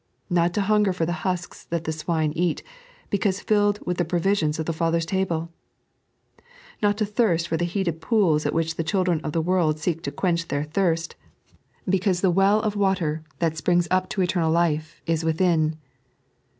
Not to hunger for tbe busks that the swine eat, because filled with tbe provisions of the Father's table I Kot to thirst for the heated pools at which the children of the world seek to quench their thirst, because the well of 3.n.iized by Google 20 Oh» the Blessedness! water, that eprings up to eternal life, is within